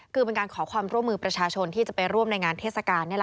คือเป็นการขอความร่วมมือประชาชนที่จะไปร่วมในงานเทศกาล